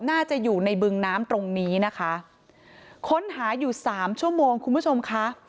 น่าจะอยู่ในบึงน้ำตรงนี้นะคะค้นหาอยู่สามชั่วโมงคุณผู้ชมค่ะ